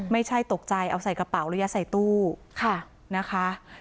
ไม่ใช่ตกใจเอาใส่กระเป๋าแล้วยัดใส่ตู้นะคะ